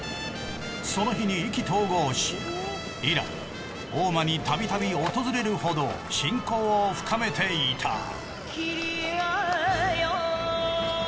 その日に意気投合し以来大間にたびたび訪れるほど親交を深めていた。